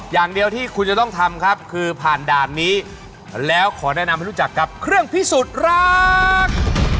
อย่างเดียวที่คุณจะต้องทำครับคือผ่านด่านนี้แล้วขอแนะนำให้รู้จักกับเครื่องพิสูจน์รัก